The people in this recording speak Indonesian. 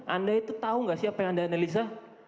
anda itu tahu gak sih apa yang anda analisa